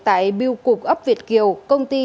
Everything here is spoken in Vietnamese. tại biêu cục ấp việt kiều công ty